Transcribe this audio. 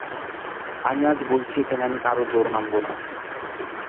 আমি আজ বলছি, এখানে আমি কারো জোর মানব না।